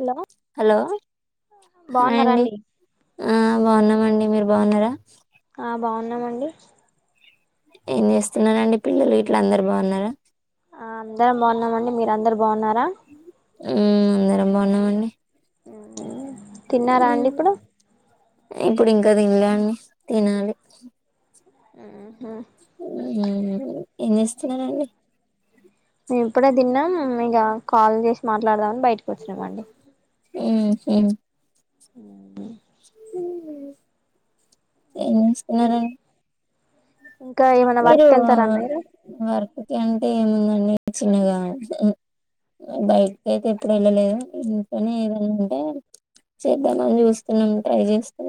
Hello hello హ అండి బాగున్నారాండి ఆ బాగున్నామండి మీరు బాన్నార [unintelligible] ఆ బాగున్నామండి ఏం చేస్తున్నండి పిల్లలు వీట్ల అందరు బాగున్నారా [unintelligible] ఆ అందరం బాగున్నామండి మీరందరు బాగున్నారా బాన్నాంఅండి [unintelligible] ఉ [inaudible] తిన్నారా అండి ఇప్పుడు ఇంగ తింలే అండితినాలి ఆ ఎన్ని ఎం చెస్తున్న రండి మేము ఇప్పుడే తిన్నాం ఇక కాల్ చేసి మాట్లాడదాం అని బయటక వచ్చినమండి మ్ అ మ్ ఎం చేసస్తున్నార ఇంకా ఏమనా వర్క్ వెళ్తారా మీరు ఓకే అంటే ఏముందండి చిన్నగా బయట అయితే ఎప్పుడు వెళ్ళలేదు ఇంట్లోఏదన్నా అంటే చేద్దామని చూస్తున్నాం ట్రై చేస్తుం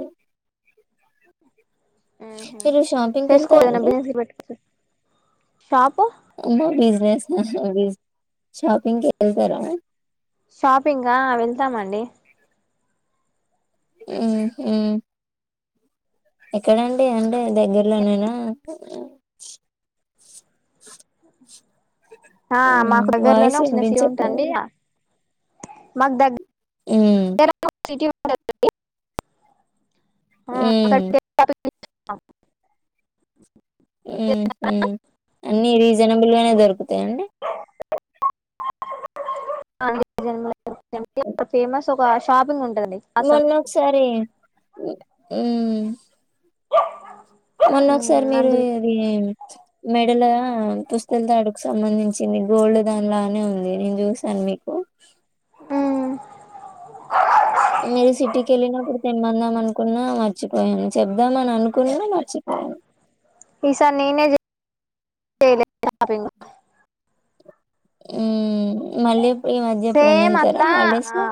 షాపింగ్కి ఉహుచేసుకో ఎదనా వెళ్తారండి బజినెసట్ షాపు అమ్మా బిజినెస్ షాపింగ్కి వెతారా షాపింగావెళ్తామండి హ్ ఎక్కడండి అంటే దగ్గర్లో నేనా ఆ మాకు దగ్గరలోనే ఒక చిన్న సి ఉంటండి వినిపించట్లేదు మక్ దగ్గ మ్మ్ ఎ ల సిటీ ఉంటదండి మ్మ్ అఅక్కడి ఎ ల ఇచ్ మ్ మ్అన్నిరీజనబుల్ గానే దొరుకుంది తండి అన్నిజన్మ ఫేమస్ ఒక షాపింగ్ ఉంటంది మొన్న ఒక ఒకసారి ఉమ్ మొన్న ఒకసారి మీరు అందులో ఇది మెడలపుస్తల తాడుకు సంబంధించింది గోల్డ్ దాని లానే ఉంది నేను చూసాను మీకు మ్ మీరు సిటీకి వెళ్ళినప్పుడు తెమ్మందాం అనుకున్న మర్చిపోయాను చెబ్దాం అని అనుకు ఉదయా నెమర్చిపోయాను చె యెలె షాపింగ్ ఉ మళ్ళీ ఈ మధ్య ఎప్పుడన్నా సేమ్ ఎళ్తారా అట్లా హాలిడేస్‌లో?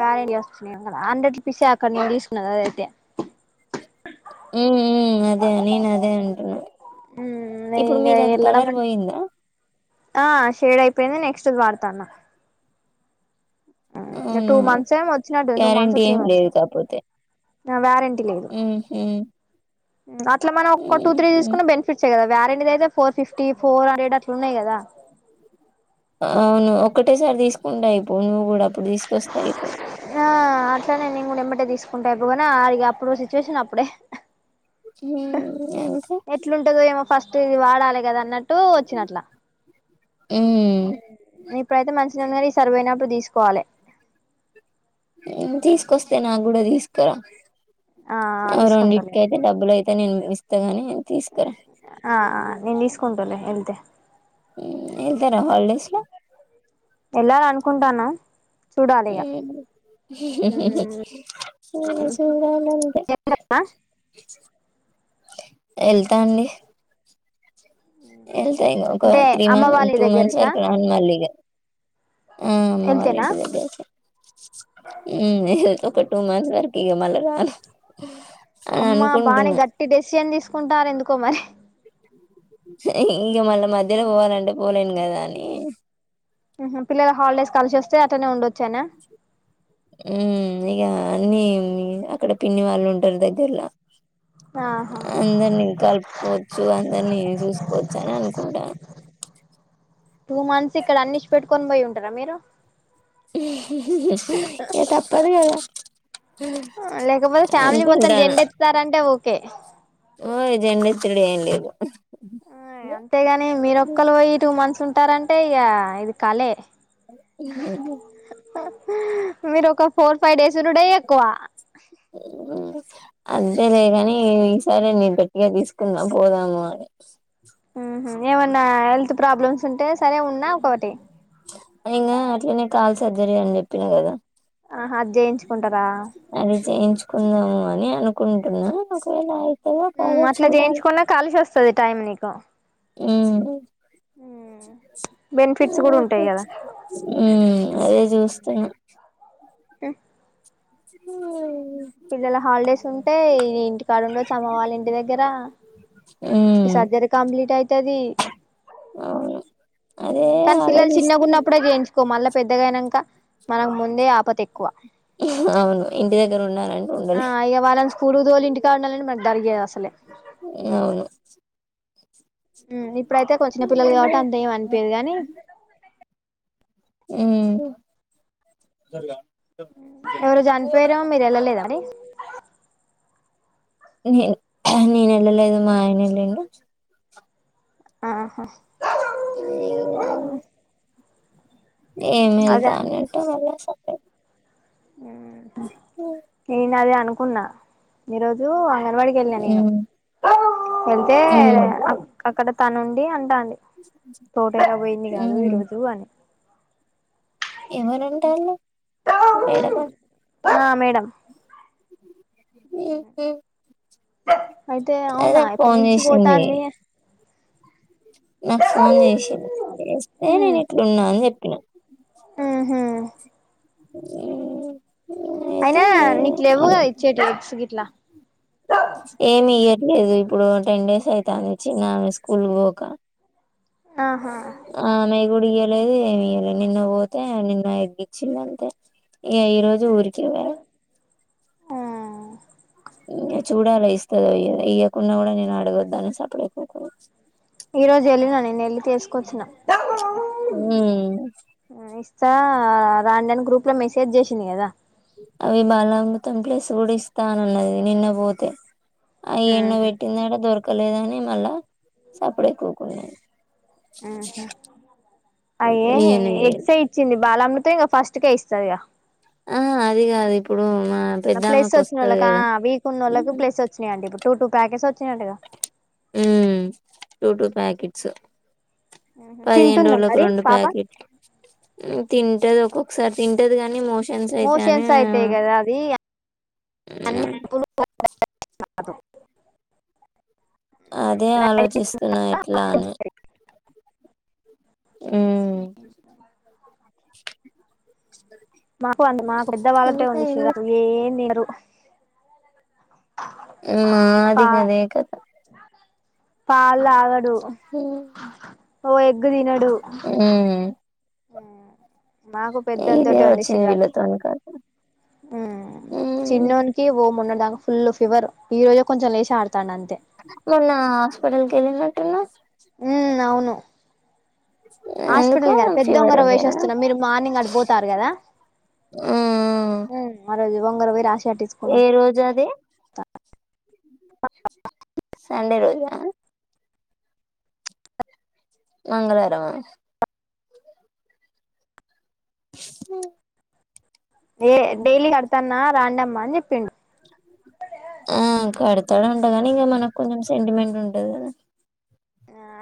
వాయ కదా హండ్రెడ్ రూపీసె అక్క నేను తీసుకున్న అద అయితే మ్ ఇప్పుడు మ్ మీది అది ఎలడం కలర్ పోయిందా? ఆ షేడ్ అయిపోయింది నెక్స్ట్ వార్తాన్న అవునా మంత్స్ ఏమో వచ్చినట్టు గ్యారెంటీ ఏం లేద్ కాపోతే వారెంట్ మ్ హ్ అట్లా మనం ఒక టూ త్రీ తీసుకున్న బెనిఫిట్సె కదా వారంటిది అయితే ఫోర్ ఫిఫ్టీ ఫోర్ హండ్రెడ్ అట్ల ఉన్నాయి గదా అవును ఒక్కటేసార్ తీసుకుంటే అయ్ పో నువ్వు గుడా ఆ అట్లనె నేన్ గుడా ఎమట తీసుకుంటె అయిపోవ్ ఆ అదిగ అప్పుడు ఒక సిచువేషన్ అప్పుడే మ్ ఎట్లుంటదొ ఏమో ఫస్ట్ ఇది వాడాలి గదా అన్నట్టు వచ్చినట్ల హ్మ్. ఇప్పుడైతే మంచినె ఉంది గన్ ఈ సరువోయినప్పుడు తీసుక్ పోలె తీసుకొస్తే నాగ్ గుడా తీస్కరా ఆ తీసుకుంటాలే అరొండిట్కైతే డబ్బులు ఐతె నేనుస్ అనీ తీస్కరా ఆ నేను తీస్కుంటాలే ఎల్దె వెళ్తారా హల్డేస్ లో కుంటాన్నవ్ ఆ [unintelligible] ఎళ్తా అండి వెళ్తా ఇగ ఒక అంటే త్రీ అమ్మ మంత్ వాళ్ళ టూ మంత్స్ దగ్గరకా వరకు రాను మళ్ళీ ఇగ ఆ అమ్మ వెళ్తేనా వాల్లింటి దగ్గరకే మ్ టూ మంత్స్ వరకి ఇగ మలరాను అమ్మ బాగానే గట్టి డెసిషన్ తీసుకుంటార్ ఎందుక్ కుమర్ ఇంగ మళ్ళ మధ్యలో పోవాలంటే పోలేన్ గదా అని పిల్లల హాలిడేస్ కలిసొస్తే అట్నే ఉండొచ్చానా ఉ ఇక అన్ని అక్కడ పిన్ని వాళ్ళు ఉంటారు దగ్గర్లో ఆహా అందరినీ కలుపుకోవచ్చు అందరినీ చూసుకోవచ్చు అని అనుకుంటాను టూ మంత్స్ ఇక్కడ అన్నించి పెట్టుకొని పోయి ఉంటారా మీరు ఏ తప్పదు కదా లేకపోతే ఫ్యామిలీ మొత్తం అనుకుంటాన జెండత్తారంటే ఓకే డి తిడుేయం లేదు అంతేగాని మీరొక్కరు పోయి ఇటుకి మంచిసుుంటు తంటారంటే ఇక ఇది కళ మీరు ఒక ఫోర్ ఫైవ్ డేస్ ఉన్న డే ఎక్కువ అంతే లేదు కాని ఈసారి నేను గట్టిగా తీసుకున్నా పోదాము అని బ ఉహు ఏమన్నా హెల్త్ ప్రాబ్లమ్స్ ఉంటే సరే ఉన్నా ఒకటి అయికా అట్లనే కాల్ సర్జరీ అని చెప్పిన కదా ఆహా అది చేయించుకుంటారా అది చేయించుకుందాము అని అనుకుంటున్నా ఒకవేళ అయి అట్లా జయించకుడా కాలుషస్త సది టైమ్ నికు బెనిఫిట్స్ కూడా ఉంటాయి కదా అ అదే చూస్తాను ఏ హ పిల్లల హాలిడేస్ ఉంటే ఇంటికాడు ఉండ చమవాలి ఇంటి దగ్గర ఇ ఉమ్ సర్జరీ కంప్లీట్ అయితది అవును అదే కానీ పిల్లలు ఆలోచిస్తున్నా చిన్నగాన్నప్పుడే చేయించుకో మళ్ళా పెద్దగాైనాక మనకు ముందే ఆపత ఎక్కువ అవును ఇంటి దగ్గర ఉన్నానంటే ఉండలే కూడుదోలు ఇంటికి కాడాలని మరి జరిగేదు అసలే అవును మ్ ఇ ఇప్పుడైతే కొ చిన్న పిల్లలు కాబట్టి అంత ఏమ అనిపయదు కాని మ్ ఎవరు చనిపోయార మీరు వెళ్ళలేదాండి నే నేను వెళ్ళలేదు మా ఆయన ఎల్లిండు ఆహా ఏమిల్తా అదే అనిట్టె వ లేశా నెనదే అన్ కున్నా మీరోజు న్వాడికి వెళ్ళా నేను, ఉమ్ వెళ్తే ఉమ్ అక్ అక్కడ క్కనుండి అంటాన్ తోట ఎట్టపోయింది కాదు ఉమ్ ఈరోజు అని ఎవలుంటాళ్ళు మేడ బ ఆ మేడం ఇవ్ ఎ బ అయితే అవునా ఎప్పన్నుంచి చేసింది పోతాన్ని నాకు ఫోన్ చేసింది చేస్తే ఉమ్ నేను ఇట్లున్నా అని చెప్పిన ఉహు ఉ అయినా నీకు లెవ్ గ ఇచ్చేటి ఎగ్స్ గిట్ల రా ఏమి ఇయట్లేదు ఇప్పుడు టెన్ డేస్ ఐతాంది, ఇచ్చిన స్కూల్ పోక ఆహా ఆమె గుడ ఇయ్యలేదు ఏమి ఇయ్యలే నిన్న పోతే నిన్న ఎగ్గిచ్చిందంతే, ఇగ ఈ రోజు ఊరి కి వే ఆ ఇంగె చూడాల ఇస్తదొ, ఇయ్యదొ ఇయ్యకున్నా కూడా నేను అడుగొద్దని [unintelligible] ఈ రోజు ఎళ్ళిన నేను ఎళ్ళి తీసుకొచ్చ్న ఉ ఇస్తా రాండి అని గ్రూప్ లో మెసేజ్ చేసింది కదా. త్తం ప్లేస్ కూడా ఇస్తానాన్నది నిన్న పోతే అయ్యన్నో వెెట్టిందన దొర క్కలేదని మళ్ళా సప్పుడై కూకుంది. ఆహ అయ్యే ఇయ్యనే ఇయ్యలే ఎగ్సే ఇచ్చింది బాలమృ తేంగా ఫస్ట్ కే ఇస్తదిగా ఆ అది కాదు ఇప్పుడు మా నాప్లస్ పెద్దామకు వస్తది వచ్చిన్నొళ్ళక కదా వీక్ ఉన్నొళ్ళకి ప్లస్ వచ్చ్నాయండి ఇప్పుర్ టూ టూ ప్యాకెసు చ్చినంటగా ఉ టూ టూ ప్యాకిట్స్ పదిహేను తింటుందా రోల్లకు మరి రెండు పాప ప్యాకి, ఉ తింటది ఒకొ ఒకసారి తింటది గాని మో మోషన్స్ అయితే కదా అది [unintelligible] [unintelligible] అదే ఆలోచిస్తున్నా ఎట్లా అని మ్ మాకు అ మాకు ఇద్ద వాళ్ళంటే ఉండి లేదు ఎం చేయరు మ్ అదికద క పాల్ తగడు హ ఓ ఎగ దనా ఆ మాకు ఇదే పెద్దంతట ఉంది వచ్చింది సిరాజ వీళ్ళతోని కథ మ్మ్ చిన్నకి ఓ మన్న ఫుల్ ఫివర్ ఈ రోజు కొంచెం లేచ ఆడుత మొన్న హాస్పిటల్ తెలినటునస్ న ఎందుకు హాస్పిటల్ పెద్ద ఫీవర్ ఉంగర వేసి ఉండేనా వస్తున్నారు మీరు మార్నింగ్ అడి పోతారు కదా మ్మ్ రజు వంగరవ ఏ రోజు అది సంండే రోజ మంగళవారంమా హ ఏ డైలీ కడతానా రాండమ్మా అని చెప్పిండు ఆ కడతాడు ఉంటాగాని ఇంకా మనకు కొంచెం సెంటిమెంట్ ఉంటది కదా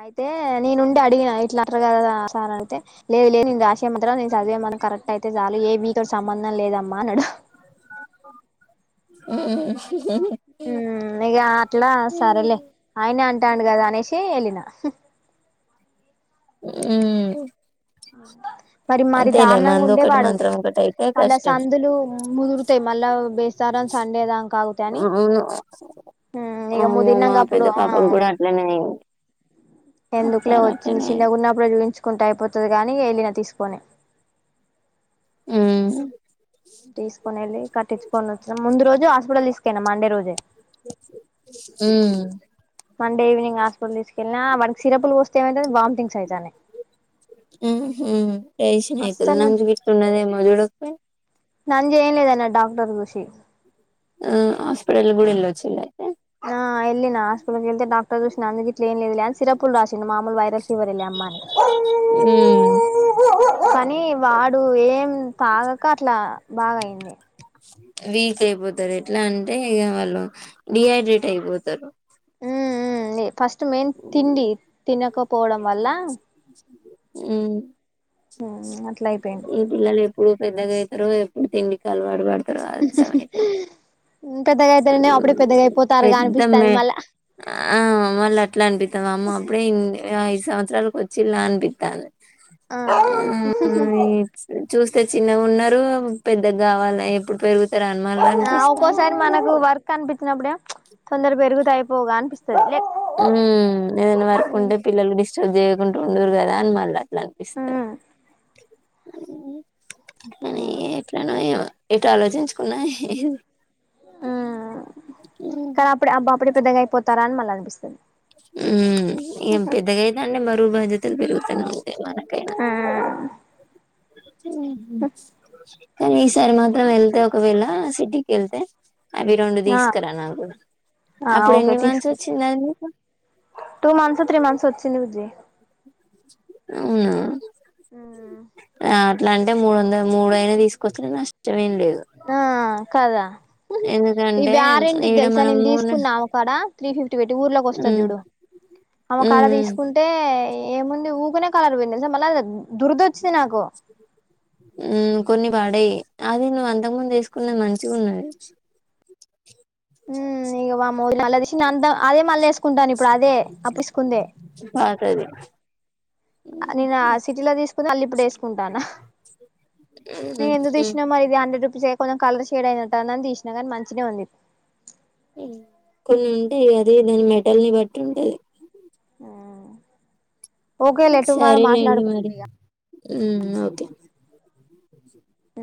అయితే నేను ఉండి అడిగిన ఇట్లా అ కదా సార్ అయితే లేదు లేదు నేను రాసి చేయమంటార నేను చదివేమను కరెక్ట్ అయితే చాలు ఏమ కూడా సంబంధం లేదమ్మా అన్నాడు ఆ ఇక అట్లా సరేలే మ్మ్ ఆయన అంటే ఇట్టాంగాదా అనేేషి వెలినా అ మరి మరి దారుణంగా ఉండేవాడు మంత్రం ఒకటి అయితే మళ్ళా కష్టం సందులు ముదురుతాయి మళ్ళా బేస్తారం సండే దాని కాగుత అని అవును ఇక అమ్మో మా ముదిరినాక అప్పుడు పెద్ద పాపకు కూడా అట్లనే అయింది ఎందుకులే ఒకసారి వచ్చింది అట్లనే అయింది చిన్నప్పుడు చూయిించుకుంటూ అయిపోతుది కాగాని వెళ్ళిన తీసుకొని ఉ తీసుకొని వెళ్ళి కట్టించుకొని వచ్చిన ముందు రోజు హాస్పిటల్ తెస్కపోయిన మండే రోజే మ్మ్ మండే ఈవినింగ్ హస్పిటల్ తీసుకెళ్లిన ఆ వనకి సిరపులు పోస్ తే ఏమయితందీ వంతింగ్స్ అయితానే ఎషీ ఆ నంజుగిట్ల ఉన్నది ఏమో చూడకపోయినవ్ నంజు ఏం లేదన్న డాక్టర్ చూసి ఆ హాస్పిటల్ గుడెల్ వచ్చిలు అటనే ఆ ఏళ్లిన హాస్పిటల్కిళ్తే డాక్టర్ చూసి నంజుగిట్లే ఏంలేదనీ సిరపుల్ రా సిండు మామూలు వైరల్ ఫీవర్ఎలే అమ్మా అని ఉమ్ కానీ వాడు ఏం తాగాక అట్లా బాగా అయింది వీక్ అయిపోతారు ఎట్లా అంటే ఇక వాళ్ళు డిహైడ్రేట్ అయిపోతారు ఫస్ట్ మెయిన్ తిండి తినకప్ పోడం వళ్ళా హ్మ్ అట్లా అయిపోయిండు ఏ పిల్లలు ఎప్పుడూ పెద్దగా అవుతారు ఎప్పుడు తిండి అలవాటు పడతారు అంతమైత పెద్దగా అయితేనే అప్పుడే పెద్దగా అయిపోతారుగా పెద్ద మే అనిపిస్తాంది మళ్ళా ఆ వాళ్ళ అట్లా అనిపితాం అమ్మ అప్పుడే సంవత్సరాల వచ్చిళ్లా అనిపిత్తంది ఆ చూస్తే చిన్నగా ఉన్నారు పెద్దగా కావాల ఎప్పుడు పెరుగు ఆ ఒకోసారి మనకు వర్క్ కనిపించినప్పుడే తొందర పెరుగుత అయిపోగా అనిపిస్తుంది ఏదైనా వర్క ఉంటే పిల్లలు డిస్టర్బ్ చేయ యాకుంట ఉందురు కదా అని మళ్ళ అనిపిస్తాది మ్మ్ కానీ ఏట్లనో ఇగ ఎటు ఆలోచించుకున్నా అ కనీ అప్పుడే పెద్దగాయిపోతారాని మల్ల అనిపిస్తుంది ఉ ఏం పెద్దగైనా అన్ని బరువుబాధ్యతలు పెరుగుతనే ఉంటయి మనకైనా కానీ ఈ సారి మాత్రం వెల్ అదే ఒకవేళ సిటీకి ఎళ్తే అవి రెండు ఆ దీసుకురా నాకు ఆ అప్పుడు ఓకే ఎన్ని మంత్స్ తీసుకొస్తా వచ్చింది అది మీకు టూ మంత్సొ త్రీ మంత్సొ వచ్చి దిన్ని యుజ్ జే అవునా ఆ ఆ అట్లా అంటే మూడు వందల మూడైనా తీసుకొచ్చులే నష్టమేం లేదు ఆ కదా ఇవి ఎందుకంటే వారెంటి ఈడ దెలుసా మనము నేను ఉమ్ తీసుకున్నా ఆమ కాడ త్రీ ఫిఫ్ ఫిఫ్టి బెట్టి ఊర్లోకి వస్తది జూడు ఆమకాడ ఉమ్ దీసుకుంటే ఏముంది ఊకనే కలర్ పోయింది మళ్ దురదద్ ఊ కొన్ని పాడయ్యాయ్ అది నువ్వు అంతకు ముందు దీసుకున్నది మంచిగున్నది ఉ ఇగ వామ్మో వలగవేషింది అంతా తీసుకుందే బాట అది నేను ఆ సిటీలో తీసుకుని అళ్ళి ఇప్పుడు ఏసుకుంటాన్న ఉమ్, ఎందుకు దీసినామ ఇది అండ్రెడ్ రు రుపీషే కొంచెం కలర్ షేడ్ అయినట్టు అని తీసినా గానీ మంచినే ఉంది ఇది కొన్ని ఉంటే అదె దాని మె బట్టల్ని బట్టి ఉంటది ఆ సరేలేండి మరి ఉ ఓకే ఆ